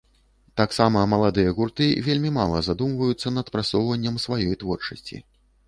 Таксама маладыя гурты вельмі мала задумваюцца над прасоўваннем сваёй творчасці.